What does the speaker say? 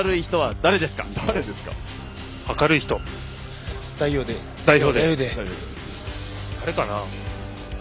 誰かな。